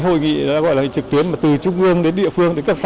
hội nghị trực tuyến từ trung ương đến địa phương các xã